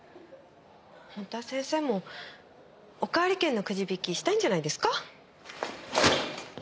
本当は先生もおかわり券のくじ引きしたいんじゃないですか？